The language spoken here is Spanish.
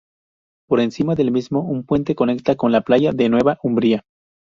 Por encima del mismo, un puente conecta la con la playa de Nueva Umbría.